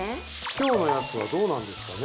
今日のやつはどうなんですかね